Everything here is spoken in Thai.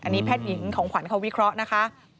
อันนี้แพทย์หญิงของขวัญเขาวิเคราะห์นะคะ